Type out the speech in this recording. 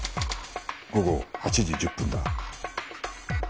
午後８時１０分だ。